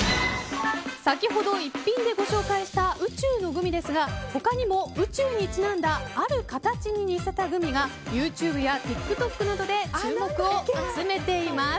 先ほど逸品でご紹介した宇宙のグミですが他にも宇宙にちなんだある形に似せたグミがＹｏｕＴｕｂｅやＴｉｋＴｏｋなどで注目を集めています。